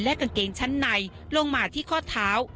กางเกงชั้นในลงมาที่ข้อเท้า